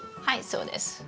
はいそうです。